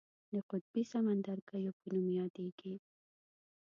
د قطبي سمندرګیو په نوم یادیږي.